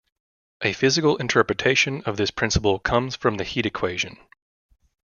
A physical interpretation of this principle comes from the heat equation.